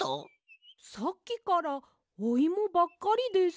さっきからおイモばっかりです。